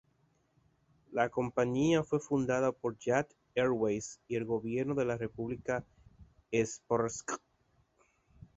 La compañía fue fundada por Jat Airways y el gobierno de la República Srpska.